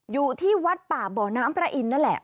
อยู่ที่วัดป่าบ่อน้ำพระอินทร์นั่นแหละ